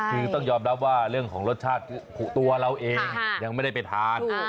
คือต้องยอมรับว่าเรื่องของรสชาติตัวเราเองยังไม่ได้ไปทาน